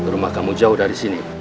rumah kamu jauh dari sini